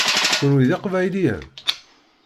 Kenwi d Iqbayliyen?